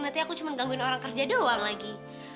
nanti aku cuma gangguin orang kerja doang lagi